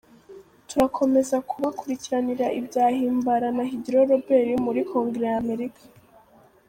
Turakomeza kubakurikiranira ibya Himbara na Higiro Robert muri Congres ya America…